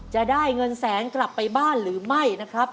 จะได้เงินแสนกลับไปบ้านหรือไม่นะครับ